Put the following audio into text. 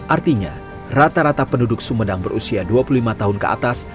artinya rata rata penduduk sumedang berusia dua puluh lima tahun ke atas